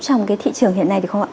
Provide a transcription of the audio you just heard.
trong thị trường hiện nay được không ạ